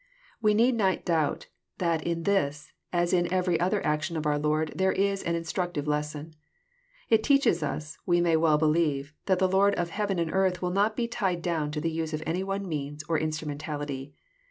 We need not doubt that in this, as in every other action of our Lord, there is an instructive lesson. It teaches us, we may well believe, that the Lord of heaven and earth will not be tied down to the use of any one means or instrumen tality.